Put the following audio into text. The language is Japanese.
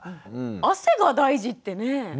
汗が大事ってね。ね！